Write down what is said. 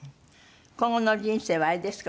今後の人生はあれですか？